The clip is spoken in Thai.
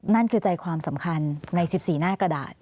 นั่นคือใจความสำคัญใน๑๔หน้ากระดาษ